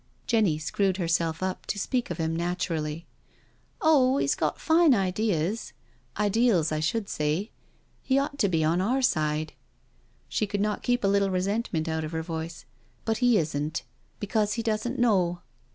Jenny screwed herself up to speak of him naturally: " Oh, he's got fine ideas— ideals, I should say. He ought to be on our side "—she could not keep a little resentment out of her voice—" but he isn't— because he doesn't know.